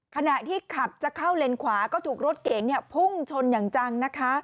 ขณะที่ขับจะเข้าเลนขวาก็ถูกรถเก๋งพุ่งชนอย่างจังนะคะ